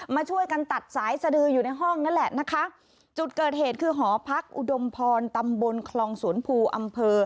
มาช่วยกันตัดสายสดืออยู่ในห้องนั่นแหละนะคะจุดเกิดเหตุคือหอพักอุดมพรตำบลคลองสวนภูอำเภอ